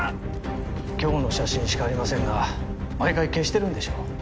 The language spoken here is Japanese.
今日の写真しかありませんが毎回消してるんでしょう。